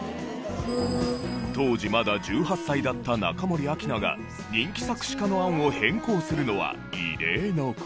当時まだ１８歳だった中森明菜が人気作詞家の案を変更するのは異例の事。